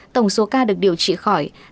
tổng số ca được điều trị khỏi